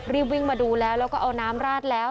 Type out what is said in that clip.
รีบวิ่งมาดูแล้วแล้วก็เอาน้ำราดแล้ว